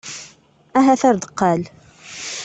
Ahat ar deqqal.